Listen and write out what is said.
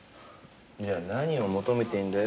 じゃあ何を求めてんだよ。